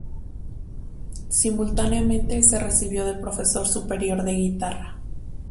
Simultáneamente se recibió de profesor superior de guitarra.